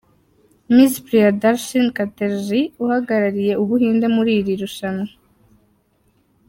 Miss Priyadarshini Chatterjee uhagarariye u Buhinde muri iri rushanwa.